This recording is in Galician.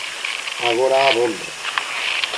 Agora abonda.